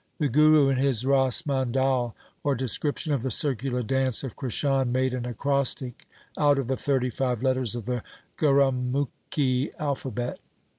The Guru in his ' Ras Mandal ' or description of the circular dance of Krishan made an acrostic out of the thirty five letters of the Gurumukhi alphabet.